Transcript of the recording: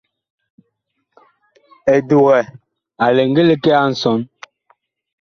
Edukɛ a lɛ ngili kɛ a nsɔn.